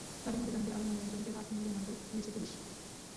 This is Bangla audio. তাঁদের মধ্যে জাহাঙ্গীর আলম নামের একজনকে পাঁচ দিনের রিমান্ডে নিয়েছে পুলিশ।